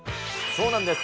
そうなんです。